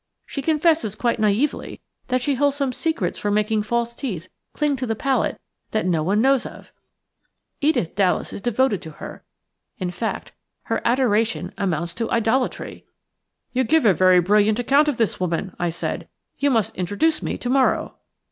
She confesses quite naïvely that she holds some secrets for making false teeth cling to the palate that no one knows of. Edith Dallas is devoted to her – in fact, her adoration amounts to idolatry." "You give a very brilliant account of this woman," I said. "You must introduce me to morrow."